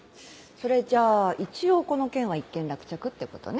それじゃ一応この件は一件落着ってことね。